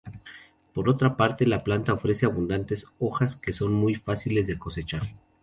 Por otra parte la planta ofrece abundantes hojas que son muy fáciles de cosechar.